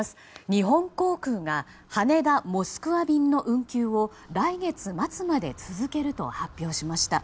日本航空が羽田モスクワ便の運休を来月末まで続けると発表しました。